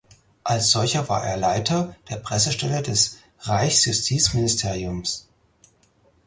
Als solcher war er Leiter der Pressestelle des Reichsjustizministeriums.